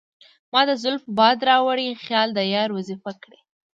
مــــــا د زلفو باد راوړی خیــــــال د یار وظیفه کـــــړی